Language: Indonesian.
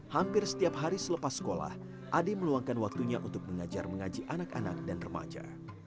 hampir setiap hari selepas sekolah ade meluangkan waktunya untuk mengajar mengaji anak anak dan remaja